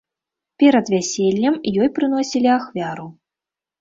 Перад вяселлем ёй прыносілі ахвяру.